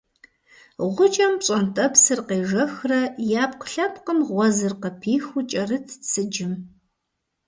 Гъукӏэм пщӏантӏэпсыр къежэхрэ и ӏэпкълъэпкъым гъуэзыр къыпихыу кӏэрытт сыджым.